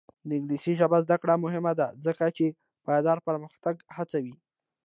د انګلیسي ژبې زده کړه مهمه ده ځکه چې پایداره پرمختګ هڅوي.